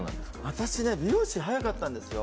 私ね美容師早かったんですよ。